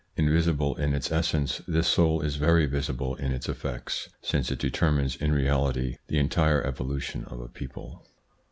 Invisible in its essence, this soul is very visible in its effects, since it de termines in reality the entire evolution of a people.